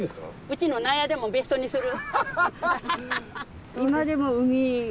うちの納屋でも別荘にする？